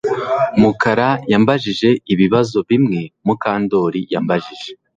Mukara yambajije ibibazo bimwe Mukandoli yambajije